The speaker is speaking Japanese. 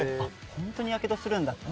本当にやけどするんだって。